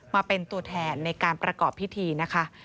มาเป็นตัวแทนในการประกอบพิธีนะคะ